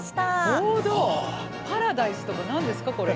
「パラダイス」とか何ですかこれ。